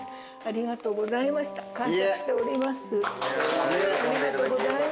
ありがとうございます。